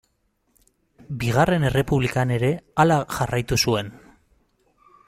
Bigarren Errepublikan ere hala jarraitu zuen.